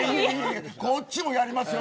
こっちもやりますよ